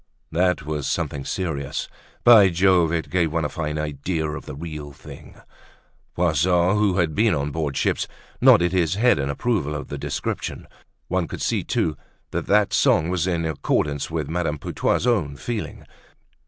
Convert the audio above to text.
That was something serious. By Jove! it gave one a fine idea of the real thing. Poisson, who had been on board ship nodded his head in approval of the description. One could see too that that song was in accordance with Madame Putois's own feeling.